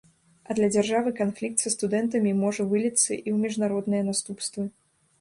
А для дзяржавы канфлікт са студэнтамі можа выліцца і ў міжнародныя наступствы.